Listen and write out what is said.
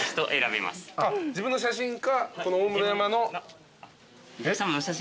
自分の写真かこの大室山の。